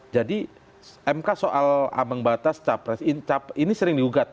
jadi mk soal ambang batas capres ini sering diugat